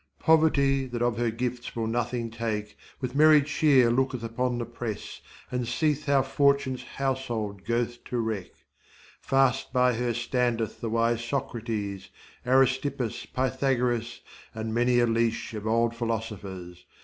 Poverty, that of her gifts will nothing take, With merry cheer looketh upon the press And seeth how Fortune's household go'th to wreck. Fast by her standeth the wise Socrates, Aristippus, Pythagoras, and many a leash Of old philosophers.